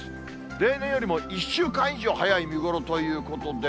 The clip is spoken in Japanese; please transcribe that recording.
例年よりも１週間以上早い見頃ということで。